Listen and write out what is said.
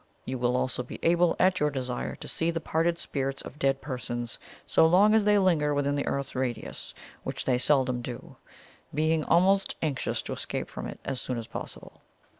You will also be able, at your desire, to see the parted spirits of dead persons, so long as they linger within Earth's radius, which they seldom do, being always anxious to escape from it as soon as possible.